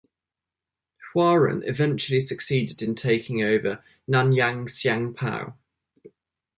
Huaren eventually succeeded in taking over "Nanyang Siang Pau".